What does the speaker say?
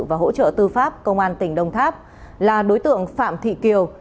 và hỗ trợ tư pháp công an tỉnh đồng tháp là đối tượng phạm thị kiều